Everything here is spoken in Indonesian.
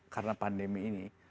karena pandemi ini